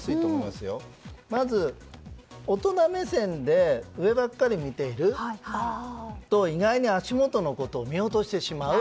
まず、大人目線で上ばかり見ていると意外に足元のことを見落としてしまう。